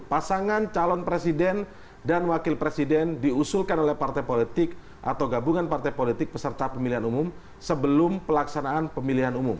pasangan calon presiden dan wakil presiden diusulkan oleh partai politik atau gabungan partai politik peserta pemilihan umum sebelum pelaksanaan pemilihan umum